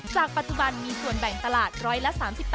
จากปัจจุบันมีส่วนแบ่งตลาดร้อยละ๓๘